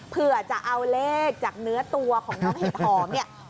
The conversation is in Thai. เพื่อจะเอาเลขจากเนื้อตัวของน้องเห็ดหอมเนี่ย